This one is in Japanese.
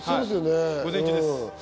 午前中です。